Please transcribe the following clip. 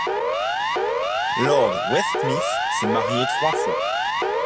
Lord Westmeath s'est marié trois fois.